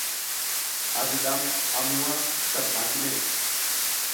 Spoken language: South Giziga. A jiɗam a muwa ti sar ɓa kine.